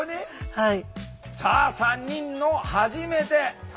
はい。